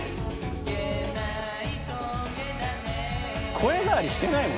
声変わりしてないもんね。